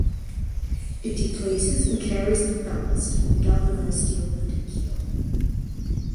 It displaces and carries of ballast in the galvanized steel lifting keel.